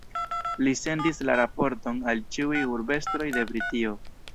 Li sendis la raporton al ĉiuj urbestroj de Britio.